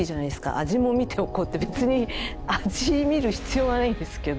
「味もみておこう」って別に味みる必要はないんですけど。